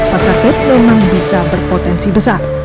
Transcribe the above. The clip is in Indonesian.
pasarkit memang bisa berpotensi besar